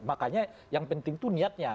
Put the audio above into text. makanya yang penting itu niatnya